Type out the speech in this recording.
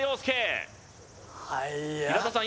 平田さん